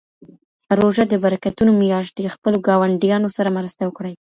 روژه د برکتونو میاشت دی خپلو ګاونډیانو سره مرسته وکړئ